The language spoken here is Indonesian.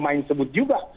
main sebut juga